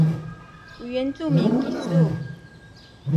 u yuancumin kami